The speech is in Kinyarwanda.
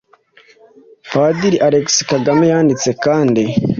Padiri Alexis Kagame yanditse kandi “